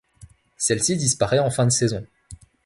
Celle-ci disparaît en fin de saison.